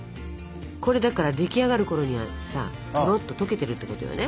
これだから出来上がるころにはさとろっと溶けてるってことよね。